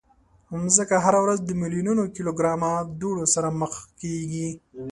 مځکه هره ورځ د میلیونونو کیلوګرامه دوړو سره مخ کېږي.